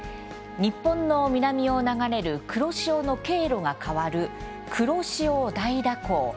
日本の南を流れる黒潮の経路が変わる黒潮大蛇行。